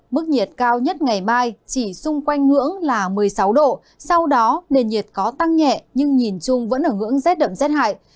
mức nhiệt cao nhất ngày mai chỉ xung quanh ngưỡng là một mươi sáu độ sau đó nền nhiệt có tăng nhẹ nhưng nhìn chung vẫn ở ngưỡng rét đậm rét hại